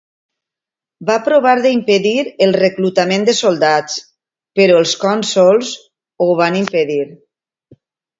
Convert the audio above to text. Va provar d'impedir el reclutament de soldats, però els cònsols ho van impedir.